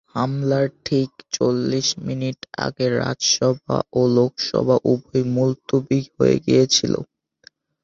হামলার ঠিক চল্লিশ মিনিট আগে রাজ্যসভা ও লোকসভা উভয়ই মুলতুবি হয়ে গিয়েছিল।